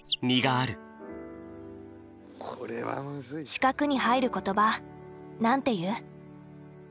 四角に入る言葉なんて言う？